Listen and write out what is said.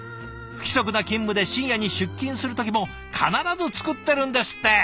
不規則な勤務で深夜に出勤する時も必ず作ってるんですって。